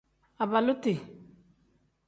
Abaaluti.